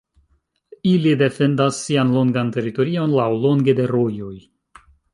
Ili defendas sian longan teritorion laŭlonge de rojoj.